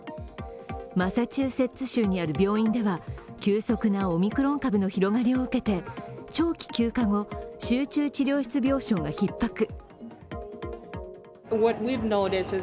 マサチューセッツ州にある病院では急速なオミクロン株の拡大を受けて、長期休暇後、集中治療室病床がひっ迫。